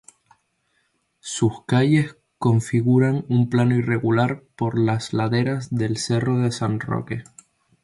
Sus calles configuran un plano irregular por las laderas del Cerro de San Roque.